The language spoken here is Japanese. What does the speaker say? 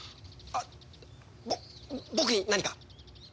あっ僕に何か？